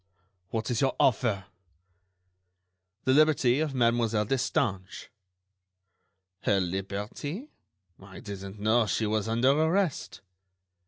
what is your offer?" "The liberty of Mademoiselle Destange." "Her liberty?... I didn't know she was under arrest."